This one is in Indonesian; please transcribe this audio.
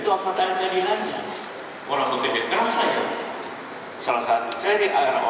tentang apa yang secara berusaha seperti itu